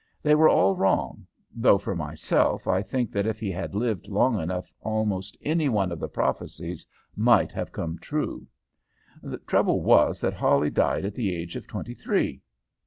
They were all wrong; though, for myself, I think that if he had lived long enough almost any one of the prophecies might have come true. The trouble was that Hawley died at the age of twenty three.